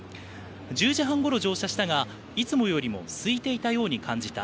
１０時半ごろ乗車したがいつもよりもすいていたように感じた。